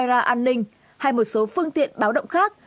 các hệ thống camera an ninh hay một số phương tiện báo động khác